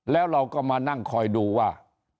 แล้วเราก็มานั่งคอยดูว่า